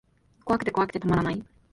怖くて怖くてたまらない